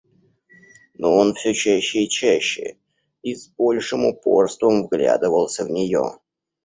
Но он всё чаще и чаще, и с большим упорством вглядывался в нее.